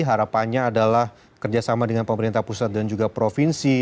harapannya adalah kerjasama dengan pemerintah pusat dan juga provinsi